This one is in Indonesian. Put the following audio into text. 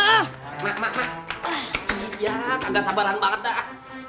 emak emak emak ah bijak kagak sabaran banget dah